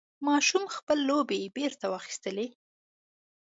ماشوم خپل لوبعې بېرته واخیستلې.